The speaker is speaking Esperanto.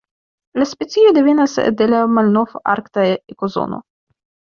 La specio devenas de la Malnov-Arkta ekozono.